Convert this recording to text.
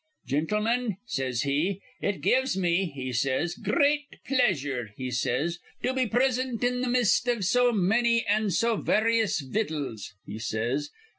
'Gintlemen,' says he, 'it gives me,' he says, 'gr reat pleasure,' he says, 'to be prisint in th' mist iv so manny an' so various vittles,' he says.